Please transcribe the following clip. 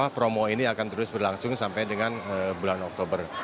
promo ini akan terus berlangsung sampai dengan bulan oktober